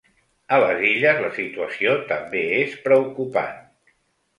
A les Illes la situació també és preocupant.